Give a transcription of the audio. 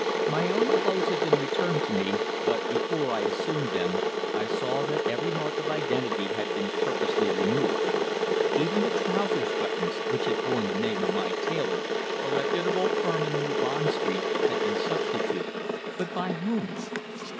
My own clothes had been returned to me, but before I assumed them I saw that every mark of identity had been purposely removed. Even the trousers buttons which had borne the name of my tailor, a reputable firm in New Bond Street had been substituted. But by whom?